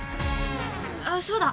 あっそうだ。